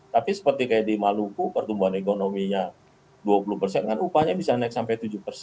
tapi seperti kayak di maluku pertumbuhan ekonominya dua puluh kan upahnya bisa naik sampai tujuh